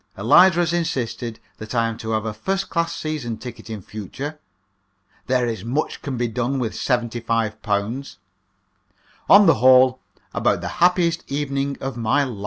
Eliza has insisted that I am to have a first class season ticket in future. There is much can be done with £75. On the whole, about the happiest evening of my life.